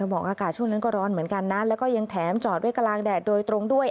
บอกอากาศช่วงนั้นก็ร้อนเหมือนกันนะแล้วก็ยังแถมจอดไว้กลางแดดโดยตรงด้วย